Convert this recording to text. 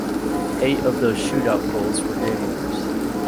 Eight of those shootout goals were game-winners.